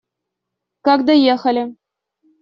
Как доехали?